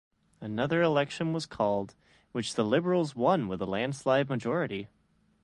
Another election was called, which the Liberals won with a landslide majority.